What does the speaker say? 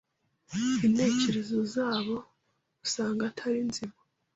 intekerezo zabo usanga atari nzima